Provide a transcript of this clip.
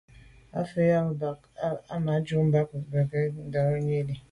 À’ fə̂ nyɑ́ gə̀ bə́ â Ahidjò mbɑ́ bə̀k bə́ á yá ndɔ̌n lî.